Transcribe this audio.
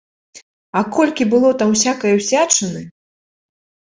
А колькі было там усякае ўсячыны!